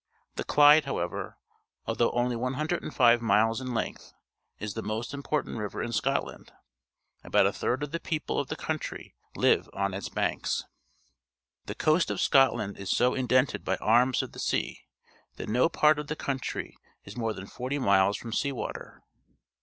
The Clyde, however, although only 105 nules in length, is the most important river in Scotland. About a tliird of the people of the comitry live on its banks. The coast of Scotland is so indented by arms of the sea that no part of the country is more than fortj[_mil es from sea wa ter.